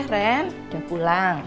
eh ren udah pulang